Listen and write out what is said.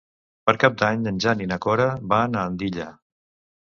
Per Cap d'Any en Jan i na Cora van a Andilla.